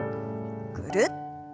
ぐるっと。